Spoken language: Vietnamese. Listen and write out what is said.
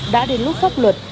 đã đến lúc pháp luật